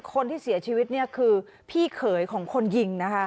คนที่เสียชีวิตนี่คือพี่เคยของคนที่เสียชีวิต